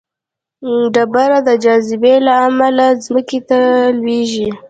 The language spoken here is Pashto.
ډبره د جاذبې له امله ځمکې ته لویږي.